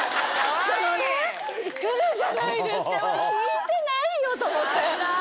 そのね来るじゃないですか聞いてないよ！と思って。